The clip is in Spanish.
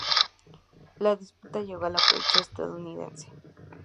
La disputa llegó a la prensa estadounidense.